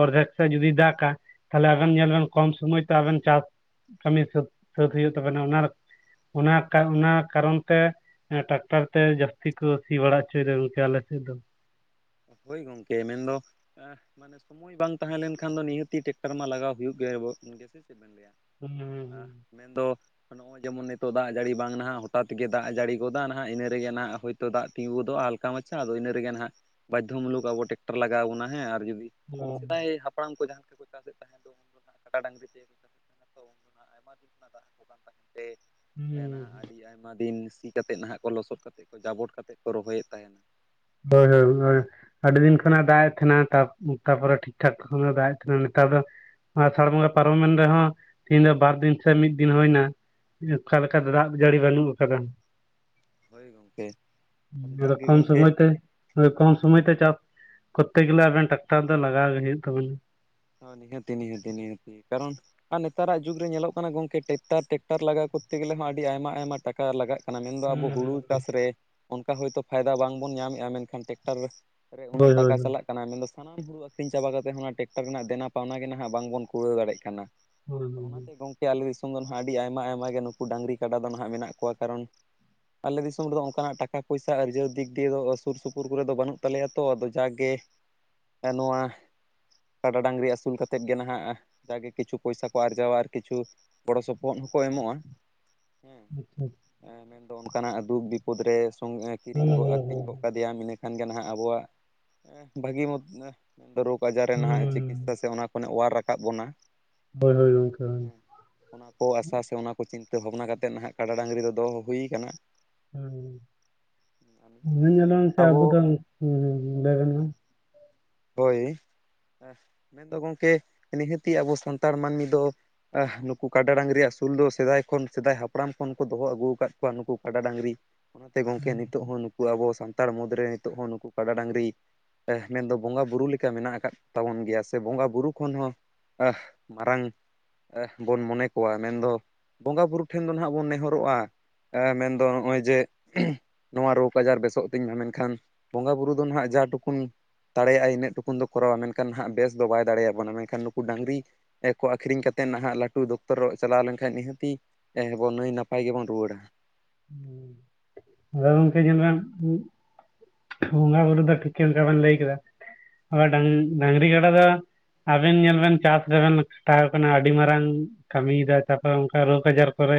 [SPEAKER 1] ᱚᱨᱫᱷᱮᱠ ᱥᱮᱜ ᱡᱩᱫᱤ ᱫᱟᱜ ᱠᱟ ᱛᱟᱦᱮᱞᱮ ᱟᱵᱮᱱ ᱧᱮᱞ ᱵᱮᱱ ᱠᱚᱢ ᱥᱚᱢᱚᱭ ᱛᱮ ᱟᱵᱮᱱ ᱪᱟᱥ- ᱠᱟᱹᱢᱤ ᱥᱟᱹᱛ ᱥᱟᱹᱛ ᱦᱩᱭᱩᱜ ᱛᱟᱵᱮᱱᱟ ᱚᱱᱟ ᱨᱮ- ᱚᱱᱟ ᱠᱟ ᱚᱱᱟ ᱠᱟᱨᱚᱱ ᱛᱮ ᱴᱟᱠᱴᱟᱨ ᱛᱮ ᱡᱟᱹᱥᱛᱤ ᱠᱚ- ᱥᱤ ᱵᱟᱲᱟ ᱩᱪᱩᱭ ᱫᱟ ᱜᱚᱝᱠᱮ ᱟᱞᱮ ᱥᱮᱫ ᱫᱚ᱾
[SPEAKER 2] ᱦᱳᱭ ᱜᱚᱝᱠᱮ ᱢᱮᱱ ᱫᱚ ᱮᱸ ᱢᱟᱱᱮ ᱥᱚᱢᱚᱭ ᱵᱟᱝ ᱛᱟᱦᱮᱸ ᱞᱮᱱᱠᱷᱟᱱ ᱫᱚ ᱱᱤᱦᱟᱹᱛᱤ ᱴᱮᱠᱴᱟᱨ ᱢᱟ ᱞᱟᱜᱟᱣ ᱦᱩᱭᱩᱜ ᱜᱮᱭᱟᱵᱚᱱ ᱜᱮᱥᱮ ᱪᱮᱫ ᱵᱮᱱ ᱞᱟᱹᱭᱼᱟ?
[SPEAKER 1] [inaudible]
[SPEAKER 2] ᱢᱮᱱ ᱫᱚ ᱱᱚᱜᱼᱚᱭ ᱡᱮᱢᱚᱱ ᱱᱤᱛᱚᱜ ᱫᱟᱜ ᱡᱟᱹᱲᱤ ᱵᱟᱝ ᱱᱟᱦᱟᱜ ᱦᱚᱴᱟᱛ ᱜᱮ ᱫᱟᱜ ᱮ ᱡᱟᱹᱲᱤ ᱜᱚᱫᱟ ᱱᱟᱦᱟᱜ ᱤᱱᱟᱹ ᱨᱮᱜᱮ ᱱᱟᱦᱟ ᱦᱚ ᱛᱚ ᱫᱟᱜ ᱛᱤᱸᱭᱩ ᱜᱚᱫᱚᱜᱼᱟ ᱦᱟᱞᱠᱟ ᱢᱟᱪᱷᱟ ᱟᱫᱚ ᱤᱱᱟᱹ ᱨᱮᱜᱮ ᱱᱟᱦᱟᱜ ᱵᱟᱡᱫᱷᱚ ᱢᱩᱞᱞᱚᱠ ᱟᱵᱚ ᱴᱮᱠᱴᱟᱨ ᱞᱟᱜᱟᱣ ᱵᱚᱱᱟ ᱦᱮᱸ ᱟᱨ ᱡᱩᱫᱤ
[SPEAKER 1] ᱦᱩᱸ
[SPEAKER 2] ᱥᱮᱫᱟᱭ ᱦᱟᱯ ᱯᱲᱟᱢ ᱠᱚ ᱡᱟᱦᱟᱸ ᱞᱮᱠᱟ ᱠᱚ ᱪᱟᱥᱮᱫ ᱛᱟᱦᱮᱸᱫ ᱫᱚ ᱩᱱ ᱨᱮᱱᱟᱜ ᱠᱟᱰᱟ ᱰᱟᱝᱜᱨᱤ [unintelligible] [unintelligible] ᱛᱮ᱾ ᱦᱮ ᱱᱟᱦᱟᱜ
[SPEAKER 1] ᱦᱩᱸ
[SPEAKER 2] ᱟᱰᱤ ᱟᱭᱢᱟ ᱫᱤᱱ ᱥᱤ ᱠᱟᱛᱮᱫ ᱱᱟᱦᱟᱜ ᱠᱚ ᱞᱚᱥᱚᱫ ᱠᱟᱛᱮᱫ ᱠᱚ ᱡᱟᱵᱚᱴ ᱠᱟᱛᱮᱫ ᱠᱚ ᱨᱚᱦᱚᱭᱮᱫ ᱛᱟᱦᱮᱱᱟ᱾
[SPEAKER 1] ᱦᱳᱭ ᱦᱳᱭ
[SPEAKER 2] ᱦᱮᱸ
[SPEAKER 1] [unintelligible] ᱟᱰᱤ ᱫᱤᱱ ᱠᱷᱚᱱᱟᱜ ᱫᱟᱜ ᱮᱫ ᱛᱟᱦᱮᱱᱟ ᱛᱟᱯ ᱛᱟᱯᱚᱨᱮ ᱴᱷᱤᱠ ᱴᱷᱟᱠ ᱠᱚᱦᱚ ᱫᱟᱜ ᱮᱫ ᱛᱟᱦᱮᱱᱟ ᱱᱮᱛᱟᱨ ᱫᱚ ᱟᱨᱥᱟᱲ ᱵᱚᱸᱝᱜᱟ ᱯᱟᱨᱚᱢᱮᱱ ᱨᱮᱦᱚᱸ ᱛᱮᱦᱤᱧ ᱫᱚ ᱵᱟᱨ ᱫᱤᱱ ᱥᱮ ᱢᱤᱫ ᱫᱤᱱ ᱦᱩᱭᱱᱟ᱾ ᱚᱠᱷᱟ ᱞᱮᱠᱷᱟ ᱫᱚ ᱫᱟᱜ ᱡᱟᱹᱲᱤ ᱵᱟᱹᱱᱩᱜ ᱟᱠᱟᱫᱟ᱾
[SPEAKER 2] ᱦᱳᱭ ᱜᱚᱝᱠᱮ ᱟᱫᱚ ᱡᱟᱜᱮ
[SPEAKER 1] ᱨᱚᱠᱚᱢ
[SPEAKER 2] ᱜᱚᱝᱠᱮ
[SPEAKER 1] ᱥᱚᱢᱚᱡ ᱛᱮ ᱠᱚᱢ ᱥᱚᱢᱚᱭ ᱛᱮ ᱪᱟᱥ ᱠᱚᱨᱛᱮ ᱜᱮᱞᱮ ᱟᱵᱮᱱ ᱴᱟᱠᱴᱟᱨ ᱫᱚ ᱞᱟᱜᱟᱣ ᱜᱮ ᱦᱩᱭᱩᱜ ᱛᱟᱵᱮᱱᱟ᱾
[SPEAKER 2] ᱚ ᱱᱤᱦᱟᱹᱛᱤ ᱱᱤᱦᱟᱹᱛᱤ ᱱᱤᱦᱟᱹᱛᱤ ᱠᱟᱨᱚᱱ ᱟᱨ ᱱᱮᱛᱟᱨᱟᱜ ᱡᱩᱜᱽ ᱨᱮ ᱧᱮᱞᱚᱜ ᱠᱟᱱᱟ ᱜᱚᱝᱠᱮ ᱴᱮᱠᱴᱟᱨ ᱴᱮᱠᱴᱟᱨ ᱞᱟᱜᱟᱣ ᱠᱚᱨᱛᱮ ᱜᱮᱞᱮ ᱦᱚᱸ ᱟᱹᱰᱤ ᱟᱭᱢᱟ ᱟᱭᱢᱟ ᱴᱮᱠ ᱠᱟ ᱞᱟᱜᱟᱜ ᱠᱟᱱᱟ ᱢᱮᱱ ᱫᱚ ᱟᱵᱚ ᱦᱩᱲᱩ ᱪᱟᱥ ᱨᱮ ᱚᱱᱠᱟ ᱦᱳᱭᱛᱳ ᱯᱷᱟᱭᱫᱟ ᱵᱟᱝᱵᱚᱱ ᱧᱟᱢᱮᱜᱼᱟ ᱢᱮᱱᱠᱷᱟᱱ ᱴᱮᱠᱴᱟᱨ ᱨᱮ ᱠᱚᱨᱮ ᱩᱱᱟᱹᱜ
[SPEAKER 1] ᱦᱳᱭ ᱦᱳᱭ
[SPEAKER 2] ᱴᱟᱠᱟ
[SPEAKER 1] ᱦᱳᱭ
[SPEAKER 2] ᱪᱟᱞᱟᱜ ᱠᱟᱱᱟ ᱢᱮᱱ ᱫᱚ ᱥᱟᱱᱟᱢ ᱦᱩᱲᱩ ᱟᱹᱠᱷᱨᱤᱧ ᱪᱟᱵᱟ ᱠᱟᱛᱮᱜ ᱦᱚᱸ ᱚᱱᱟ ᱴᱮᱠᱴᱟᱨ ᱨᱮᱱᱟᱜ ᱫᱮᱱᱟ ᱯᱟᱣᱱᱟ ᱜᱮ ᱱᱟᱦᱟᱜ ᱵᱟᱝ ᱵᱚᱱ ᱠᱩᱲᱟᱹᱣ ᱫᱟᱲᱮ ᱠᱟᱱᱟ᱾
[SPEAKER 1] ᱦᱳᱭ
[SPEAKER 2] ᱫᱟ
[SPEAKER 1] ᱦᱳᱭ
[SPEAKER 2] ᱚᱱᱟ ᱛᱮ ᱜᱚᱝᱠᱮ ᱟᱞᱤ ᱥᱚᱢ ᱫᱚ ᱱᱟᱦᱟᱜ ᱟᱹᱰᱤ ᱟᱭᱢᱟ ᱟᱭᱢᱟ ᱜᱮ ᱱᱩᱠᱩ ᱰᱟᱹᱝᱨᱤ ᱠᱟᱰᱟ ᱫᱚ ᱱᱟᱦᱟᱜ ᱢᱮᱱᱟᱜ ᱠᱚᱣᱟ ᱠᱟᱨᱚᱱ ᱟᱞᱮ ᱫᱤᱥᱚᱢ ᱨᱮᱫᱚ ᱚᱝᱠᱟᱱᱟᱜ ᱴᱟᱠᱟ ᱯᱚᱭᱥᱟ ᱟᱹᱨᱡᱟᱹᱣ ᱫᱤᱠ ᱫᱤᱭᱮ ᱫᱚ ᱟᱥᱩᱨ ᱥᱩᱯᱩᱨ ᱠᱚᱨᱮ ᱫᱚ ᱵᱟᱹᱱᱩᱜ ᱛᱟᱞᱮᱭᱟ᱾ ᱛᱚ ᱟᱫᱚ ᱡᱟᱜᱮ ᱟ ᱱᱚᱣᱟ ᱠᱟᱰᱟ ᱰᱟᱹᱝᱨᱤ ᱟᱹᱥᱩᱞ ᱠᱟᱛᱮᱫ ᱜᱮ ᱱᱟᱦᱟᱜ ᱡᱟᱜᱮ ᱠᱤᱪᱷᱩ ᱯᱚᱭᱥᱟ ᱠᱚ ᱟᱨᱡᱟᱣᱟ ᱟᱨ ᱠᱤᱪᱷᱩ ᱜᱚᱲᱚ ᱥᱚᱯᱚᱦᱚᱫ ᱦᱚᱸᱠᱚ ᱮᱢᱚᱜᱼᱟ᱾ ᱦᱮᱸ
[SPEAKER 1] ᱦᱳᱭ
[SPEAKER 2] ᱮᱸ ᱢᱮᱱᱫᱚ ᱚᱝᱠᱟᱱᱟᱜ ᱫᱩᱠ ᱵᱤᱯᱚᱫ ᱨᱮ ᱥᱚᱝᱜ ᱠᱤᱨᱤᱧ
[SPEAKER 1] ᱦᱳᱭ
[SPEAKER 2] ᱜᱚᱜ
[SPEAKER 1] ᱦᱳᱭ
[SPEAKER 2] ᱟᱹᱠᱷᱨᱤᱧ
[SPEAKER 1] ᱦᱳᱭ
[SPEAKER 2] ᱜᱚᱫ ᱠᱟᱫ ᱫᱤᱭᱟᱢ ᱤᱱᱟᱹᱠᱷᱟᱱ ᱜᱮ ᱱᱟᱦᱟᱜ ᱟᱵᱚᱣᱟᱜ ᱵᱷᱟᱹᱜᱤ ᱦᱚ ᱨᱳᱜᱽ ᱟᱡᱟᱨ ᱨᱮ ᱱᱟᱦᱟᱜ ᱪᱤᱠᱤᱥ
[SPEAKER 1] ᱦᱩᱸ
[SPEAKER 2] ᱦᱳᱭ ᱥᱮ ᱚᱱᱟ ᱠᱷᱚᱱᱟᱜ ᱚᱣᱟᱨ ᱨᱟᱠᱟᱵ ᱵᱚᱱᱟ᱾
[SPEAKER 1] ᱦᱳᱭ ᱦᱳᱭ ᱜᱚᱝᱠᱮ ᱦᱳᱭ
[SPEAKER 2] ᱦᱮᱸ ᱚᱱᱟ ᱠᱚ ᱟᱥᱟ ᱥᱮ ᱚᱱᱟ ᱠᱚ ᱪᱤᱱᱛᱟᱹ ᱵᱷᱟᱵᱱᱟ ᱠᱟᱛᱮᱜ ᱱᱟᱦᱟᱜ ᱠᱟᱰᱟ ᱰᱟᱹᱝᱨᱤ ᱫᱚ ᱫᱚᱦᱚ ᱦᱩᱭ ᱠᱟᱱᱟ᱾ ᱱᱤᱦᱟᱹᱛᱤ
[SPEAKER 1] ᱦᱩᱸ
[SPEAKER 2] ᱟᱵᱚ
[SPEAKER 1] [unintelligible]
[SPEAKER 2] ᱦᱳᱭ ᱮ ᱢᱮᱱᱫᱚ ᱜᱚᱢᱠᱮ ᱱᱤᱦᱟᱹᱛᱤ ᱟᱵᱚ ᱥᱟᱱᱛᱟᱲ ᱢᱟ ᱱᱤᱫ ᱫᱚ ᱟᱦ ᱱᱩᱠᱩ ᱠᱟᱰᱟ ᱰᱟᱹᱝᱨᱤ ᱟᱥᱩᱞ ᱫᱚ ᱥᱮᱫᱟᱭ ᱠᱷᱚᱱ ᱥᱮᱫᱟᱭ ᱦᱟᱯᱲᱟᱢ ᱠᱷᱚᱱ ᱠᱚ ᱫᱚᱦᱚ ᱟᱹᱜᱩ ᱟᱠᱟᱫ ᱠᱚᱣᱟ ᱱᱩᱠᱩ ᱠᱟᱰᱟ ᱰᱟᱹᱝᱨᱤ ᱚᱱᱟᱛᱮ ᱜᱚᱝᱠᱮ ᱱᱤᱛᱚᱜ ᱦᱚᱸ ᱱᱩᱠᱩ ᱟᱵᱚ ᱥᱟᱱᱛᱟᱲ ᱢᱩᱫᱽᱨᱮ ᱱᱤᱛᱚᱜ ᱦᱚᱸ ᱱᱩᱠᱩ ᱠᱟᱰᱟ ᱰᱟᱹᱝᱨᱤ ᱮ ᱢᱮᱱᱫᱚ ᱵᱚᱸᱜᱟ ᱵᱩᱨᱩ ᱞᱮᱠᱟ ᱢᱮᱱᱟᱜ ᱟᱠᱟᱫ ᱛᱟᱵᱚᱱ ᱜᱮᱭᱟ ᱥᱮ ᱵᱚᱸᱜᱟ ᱵᱩᱨᱩ ᱠᱷᱚᱱ ᱦᱚᱸ ᱟ ᱢᱟᱨᱟᱝ᱾ ᱮ ᱵᱚᱱ ᱢᱚᱱᱮ ᱠᱚᱣᱟ ᱢᱮᱱᱫᱚ ᱵᱚᱸᱜᱟ ᱵᱩᱨᱩ ᱴᱷᱮᱱ ᱫᱚ ᱱᱟᱦᱟᱜ ᱵᱚᱱ ᱱᱮᱦᱚᱨᱚᱜᱼᱟ᱾ ᱮ ᱢᱮᱱᱫᱚ ᱱᱚᱜᱼᱚᱭ ᱡᱮ ᱱᱚᱣᱟ ᱨᱳᱜᱽ ᱟᱡᱟᱨ ᱵᱮᱥᱚᱜ ᱛᱤᱧ ᱢᱟ ᱢᱮᱱᱠᱷᱟᱱ ᱵᱚᱸᱜᱟ ᱵᱩᱨᱩ ᱫᱚ ᱱᱟᱦᱟᱜ ᱡᱟ ᱴᱩᱠᱩᱱ ᱛᱟᱲᱮᱭᱟᱜᱼᱟᱭ ᱤᱱᱟᱹᱜ ᱴᱩᱠᱩᱱ ᱫᱚ ᱠᱚᱨᱟᱣᱟ ᱢᱮᱱᱠᱷᱟᱱ ᱦᱟᱸᱜ ᱵᱮᱥ ᱫᱚ ᱵᱟᱭ ᱫᱟᱲᱮᱭᱟᱵᱚᱱᱟ ᱢᱮᱱᱠᱷᱟᱱ ᱱᱩᱠᱩ ᱰᱝᱨᱤ ᱮᱠᱚ ᱟᱹᱠᱷᱨᱤᱧ ᱠᱟᱛᱮᱫ ᱱᱟᱦᱟᱜ ᱞᱟᱹᱴᱩ ᱫᱚᱠᱛᱚᱨᱚᱟᱜ ᱪᱟᱞᱟᱣ ᱞᱮᱱᱠᱷᱟᱡ ᱱᱤᱦᱟᱹᱛᱤ ᱦᱮᱸᱦᱮᱵᱚ ᱱᱟᱹᱭ ᱱᱟᱯᱟᱭ ᱜᱮᱵᱚᱱ ᱨᱩᱣᱟᱲᱟ᱾
[SPEAKER 1] [unintelligible] ᱟᱫᱚ ᱜᱚᱝᱠᱮ ᱧᱮᱞᱵᱮᱱ ᱩᱸᱜ ᱵᱚᱸᱜᱟ ᱵᱩᱨᱩ ᱫᱚ ᱴᱷᱤᱠ ᱚᱱᱠᱟ ᱵᱮᱱ ᱞᱟᱹᱭ ᱠᱮᱫᱟ ᱰᱟᱝ ᱰᱟᱹᱝᱨᱤ ᱜᱟᱰᱟ ᱫᱚ ᱟᱵᱮᱱ ᱧᱮᱞ ᱵᱮᱱ ᱪᱟᱥ ᱨᱮᱵᱮᱱ ᱠᱷᱟᱴᱟᱣ ᱠᱟᱱᱟ ᱟᱹᱰᱤ ᱢᱟᱨᱟᱝ ᱠᱟᱹᱢᱤᱭᱫᱟ ᱛᱟᱯᱚᱨᱮ ᱚᱝᱠᱟ ᱨᱳᱜᱽ ᱟᱡᱟᱨ ᱠᱚᱨᱮ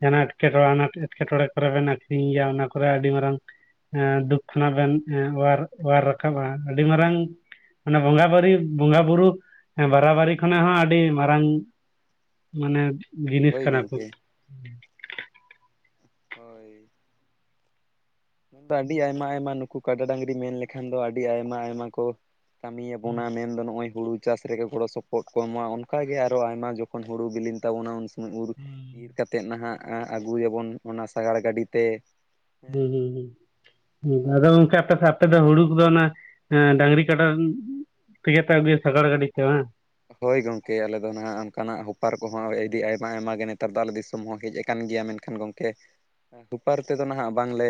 [SPEAKER 1] ᱡᱟᱦᱟᱱᱟ ᱮᱴᱠᱮᱴᱚᱬᱮ ᱟᱱᱟᱴ ᱮᱴᱠᱮᱴᱚᱬᱮ ᱠᱚᱨᱮ ᱵᱮᱱ ᱟᱠᱷᱨᱤᱧᱮᱭᱟ ᱚᱱᱟ ᱠᱚᱨᱮ ᱟᱹᱰᱤ ᱢᱟᱨᱟᱝ ᱮᱸ ᱫᱩᱠ ᱠᱷᱚᱱᱟᱜ ᱵᱮᱱ ᱮᱸ ᱚᱣᱟᱨ ᱚᱣᱟᱨ ᱨᱟᱠᱟᱵᱼᱟ ᱟᱹᱰᱤ ᱢᱟᱨᱟᱝ ᱟᱱᱮ ᱵᱚᱸᱜᱟ ᱵᱟᱨᱤ ᱵᱚᱸᱜᱟ ᱵᱩᱨᱩ ᱵᱟᱨᱟᱵᱟᱨᱤ ᱠᱷᱚᱱᱟᱜ ᱦᱚᱸ ᱟᱹᱰᱤ ᱢᱟᱨᱟᱝ ᱢᱟᱱᱮ ᱡᱤᱱᱤᱥ
[SPEAKER 2] ᱦᱳᱭ
[SPEAKER 1] ᱠᱟᱱᱟ ᱠᱚ᱾
[SPEAKER 2] ᱜᱚᱢᱠᱮ ᱦᱳᱭ ᱫᱚ ᱟᱹᱰᱤ ᱟᱭᱢᱟ ᱟᱭᱢᱟ ᱱᱩᱠᱩ ᱠᱟᱰᱟ ᱰᱟᱹᱝᱨᱤ ᱢᱮᱱ ᱞᱮᱠᱷᱟᱱ ᱫᱚ ᱟᱹᱰᱤ ᱟᱭᱢᱟ ᱟᱭᱢᱟ ᱠᱚ- ᱠᱟᱹᱢᱤᱭᱟ ᱵᱚᱱᱟ
[SPEAKER 1] ᱦᱩᱸ
[SPEAKER 2] ᱢᱮᱱᱫᱚ ᱱᱚᱜᱼᱚᱭ ᱦᱩᱲᱩ ᱪᱟᱥ ᱨᱮᱜᱮ ᱜᱚᱲᱚ ᱥᱚᱯᱚᱨᱚᱫ ᱠᱚ ᱮᱢᱟ ᱚᱱᱠᱟᱜᱮ ᱟᱨᱚ ᱟᱭᱢᱟ ᱡᱚᱠᱷᱚᱱ ᱦᱩᱲᱳ ᱵᱤᱞᱤᱧ ᱛᱟᱵᱱᱟ ᱩᱱ ᱩᱨ ᱤᱨ
[SPEAKER 1] ᱦᱩᱸ
[SPEAKER 2] ᱠᱟᱛᱮᱫ ᱱᱟᱦᱟᱜ ᱟᱹᱜᱩᱭᱟᱵᱚᱱ ᱚᱱᱟ ᱥᱸᱟᱜᱟᱲ ᱜᱟᱹᱰᱤ ᱛᱮ᱾
[SPEAKER 1] ᱦᱩᱸ
[SPEAKER 2] ᱦᱮᱸ
[SPEAKER 1] ᱦᱩᱸ᱾ ᱟᱫᱚ ᱚᱝᱠᱟ ᱚᱠᱛᱚ ᱟᱯᱮ ᱫᱚ ᱦᱩᱲᱩ ᱠᱚᱫᱚ ᱚᱱᱟ ᱰᱟᱝᱨᱤ ᱠᱟᱰᱟ ᱛᱤᱛᱟᱵᱮ ᱥᱟᱜᱟᱲ ᱜᱰᱤᱛᱮ ᱵᱟᱝ?
[SPEAKER 2] ᱦᱳᱭ ᱜᱚᱢᱠᱮ ᱟᱞᱮ ᱫᱚ ᱱᱟᱦᱟᱜ ᱚᱱᱠᱟᱱᱟᱜ ᱦᱚᱯᱟᱨ ᱠᱚᱦᱚᱸ ᱟᱹᱰᱤ ᱟᱭᱢᱟ ᱟᱭᱢᱟᱜ ᱜᱮ ᱱᱮᱛᱟᱨ ᱫᱚ ᱟᱞᱮ ᱫᱤᱥᱚᱢ ᱦᱚᱸ ᱦᱮᱡ ᱟᱠᱟᱱ ᱜᱮᱭᱟ ᱢᱮᱱᱠᱷᱟᱱ ᱠᱷᱟᱱ ᱜᱚᱢᱠᱮ ᱦᱯᱟᱨ ᱛᱮᱫᱚ ᱱᱟᱦᱟᱜ ᱵᱟᱝᱞᱮ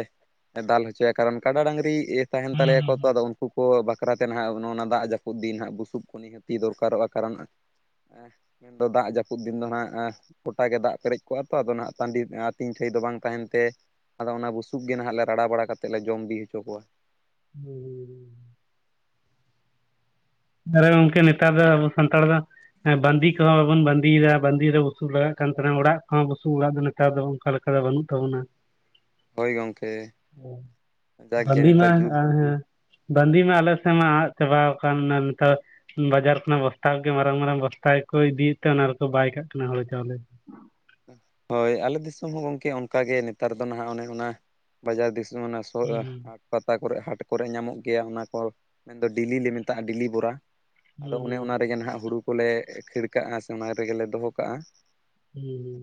[SPEAKER 2] ᱫᱟᱞ ᱦᱚᱪᱚᱭᱟ ᱠᱟᱨᱚᱱ ᱠᱟᱰᱟ ᱰᱟᱹᱝᱨᱤ ᱛᱟᱦᱮᱱ
[SPEAKER 1] ᱦᱩᱸ
[SPEAKER 2] ᱛᱟᱞᱮᱭᱟᱠᱚ ᱛᱚ
[SPEAKER 1] ᱦᱩᱸ
[SPEAKER 2] ᱟᱫᱚ ᱩᱱᱠᱩ ᱠᱚ ᱵᱟᱠᱷᱨᱟᱛᱮ ᱱᱟᱦᱟᱜ ᱱᱚ ᱚᱱᱟ ᱫᱟᱜ ᱡᱟᱹᱯᱩ ᱫᱤᱱ ᱱᱟᱦᱟᱜ ᱵᱩᱥᱩᱵ ᱠᱩ ᱱᱤᱦᱟᱹᱛᱤ ᱫᱚᱨᱠᱟᱨ ᱠᱟᱨᱚᱜᱼᱟ ᱠᱟᱨᱚᱱ ᱢᱮᱱᱫᱚ ᱫᱟᱜ ᱡᱟᱹᱯᱩᱫ ᱫᱤᱱ ᱫᱚ ᱱᱟᱦᱟᱜ᱾ ᱜᱚᱴᱟ ᱜᱮ ᱫᱟᱜ ᱯᱮᱨᱮᱡ ᱠᱚᱜᱼᱟ ᱛᱚ ᱟᱫᱚ ᱱᱟᱦᱟᱜ ᱴᱟᱺᱰᱤ ᱟᱹᱛᱤᱧ ᱴᱷᱮᱡ ᱫᱚ ᱵᱟᱝ ᱛᱟᱦᱮᱱ ᱛᱮ ᱟᱫᱚ ᱚᱱᱟ ᱵᱩᱥᱩᱵ ᱜᱮ ᱱᱟᱦᱟᱜ ᱞᱮ ᱨᱟᱲᱟ ᱵᱟᱲᱟ ᱠᱟᱛᱮᱫ ᱞᱮ ᱡᱚᱢ ᱵᱤ ᱦᱚᱪᱚ ᱠᱚᱣᱟ᱾
[SPEAKER 1] ᱦᱮᱸ ᱟᱨ ᱜᱚᱝᱠᱮ ᱱᱮᱛᱟᱨ ᱫᱚ ᱟᱵᱚ ᱥᱟᱱᱛᱟᱲ ᱫᱚ ᱦᱮ ᱵᱟᱸᱫᱤ ᱠᱚᱦᱚᱸ ᱵᱟᱵᱚᱱ ᱵᱟᱸᱫᱤᱭᱮᱫᱟ ᱵᱟᱸᱫᱮ ᱨᱮ ᱵᱩᱥᱩ ᱞᱟᱜ ᱠᱟᱱ ᱛᱟᱦᱮᱱᱟ ᱚᱲᱟᱜ ᱠᱚᱦᱚᱸ ᱵᱩᱥᱩ ᱚᱲᱟᱜ ᱱᱮᱛᱟᱨ ᱫᱚ ᱚᱱᱠᱟ ᱞᱮᱠᱟ ᱫᱚ ᱵᱟᱹᱱᱩᱜ ᱛᱟᱵᱚᱱᱟ᱾
[SPEAKER 2] ᱦᱳᱭ ᱜᱚᱝᱠᱮ ᱡᱟᱠᱜᱮ
[SPEAKER 1] ᱵᱟᱸᱫᱤ ᱢᱟ
[SPEAKER 2] ᱱᱮᱛᱟᱨ ᱡᱩᱜᱽ
[SPEAKER 1] ᱦᱮ ᱵᱟᱸᱫᱤ ᱢᱟ ᱟᱞᱮᱥᱱ ᱢᱟ ᱟᱫ ᱪᱟᱵᱟᱣ ᱠᱟᱱ᱾ ᱛᱟᱨ ᱵᱟᱡᱟᱨ ᱠᱷᱚᱱᱟᱜ ᱵᱚᱥᱛᱟ ᱠᱚᱜᱮ ᱢᱟᱨᱟᱝ ᱢᱟᱨᱟᱝ ᱵᱚᱥᱛᱟ ᱜᱮᱠᱚ ᱤᱫᱤᱭᱮᱫ ᱛᱟᱦᱮᱱᱟ ᱟᱨ ᱠᱚ ᱵᱟᱭ ᱠᱟᱜ ᱠᱟᱱᱟ ᱦᱳᱲᱳ ᱪᱟᱣᱞᱮ᱾
[SPEAKER 2] ᱦᱳᱭ ᱟᱞᱮ ᱫᱤᱥᱚᱢ ᱦᱚᱸ ᱜᱚᱢᱠᱮ ᱚᱱᱠᱟᱜᱮ ᱱᱮᱛᱟᱨ ᱫᱚ ᱱᱟᱦᱟᱜ ᱚᱱᱮ ᱚᱱᱟ ᱵᱟᱡᱟᱨ ᱫᱤᱥᱚᱢ ᱚᱱᱟ ᱦᱟᱴ ᱯᱟᱛᱟ ᱠᱚᱨᱮ ᱦᱟᱴ ᱠᱚᱨᱮ ᱧᱟᱢᱚᱜ ᱜᱮᱭᱟ ᱚᱱᱟ ᱠᱚ ᱢᱮᱱᱫᱚ ᱰᱮᱞᱤ ᱞᱮ ᱢᱮᱛᱟᱜᱼᱟ ᱰᱮᱞᱤ ᱵᱚᱨᱟ᱾ ᱟᱫᱚ ᱚᱱᱮ ᱚᱱᱟ ᱨᱮᱜᱮ ᱱᱟᱦᱟᱜ ᱦᱩᱲᱩ ᱠᱚᱞᱮ ᱠᱷᱟᱹᱲ ᱠᱟᱜᱼᱟ ᱥᱮ ᱚᱱᱟ ᱨᱮᱜᱮᱞᱮ ᱫᱚᱦᱚ ᱠᱟᱜᱼᱟ᱾
[SPEAKER 1] ᱦᱩᱸ